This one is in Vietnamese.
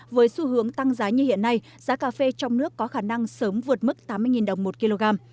với xu hướng tăng giá như hiện nay giá cà phê trong nước có khả năng sớm vượt mức tám mươi đồng một kg